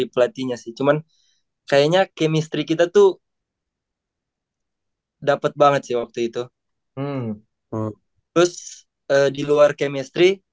batinnya sih cuman kayaknya kemistri kita tuh hai dapat banget sih waktu itu terus diluar kemistri